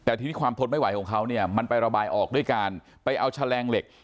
แต่ทีนี้ความทนไม่ไหวของเขาเนี่ยมันไประบายออกด้วยการไปเอาแฉลงเหล็ก